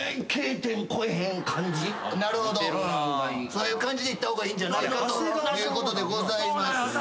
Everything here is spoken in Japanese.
そういう感じでいった方がいいんじゃないかということでございます。